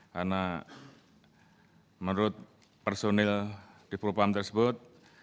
karena menurut personil di propam tersebut